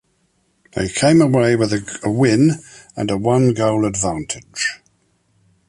They came away with a win and a one-goal advantage.